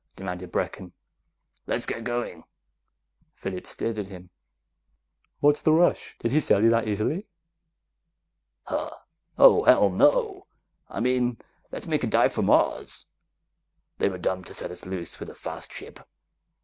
demanded Brecken. "Let's get going!" Phillips stared at him. "What's the rush? Did he sell you that easily?" "Huh? Oh, hell, no! I mean let's make a dive for Mars. They were dumb to set us loose with a fast ship.